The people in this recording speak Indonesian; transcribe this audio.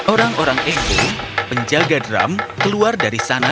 orang orang ego penjaga drum keluar dari sana